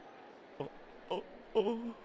あああ。